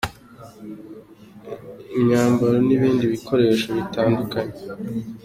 S Kagugu, aho bahawe imyambaro, n’ibindi bikoresho bitandukanye.